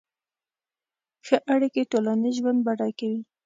ښه اړیکې ټولنیز ژوند بډای کوي.